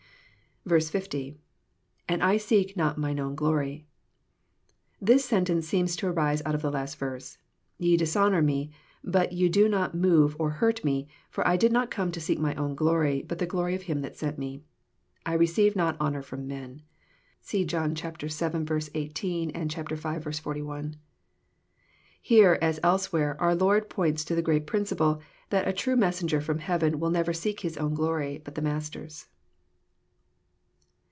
BO.—lAnd I seek not mi7ie own glory,"] This sentence seems to arise out of the last verse.—" Ye dishonour Me; but you do not move or hurt Me, for I did not come to seek my own glory, but the glory of Him that sent Me. I receive not honour from men." (See John vii. 18 and v. 41.) Here, as elsewhere, our Lord points to the great principle, " that a true messenger from heaven will never seek his own glory, but his Master's."